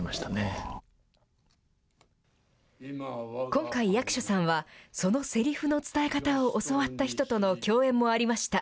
今回、役所さんは、そのせりふの伝え方を教わった人との共演もありました。